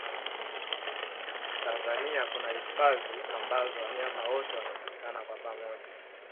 tanzania kuna hifadhi ambazo wanyama wote wanapatikana kwa pamoja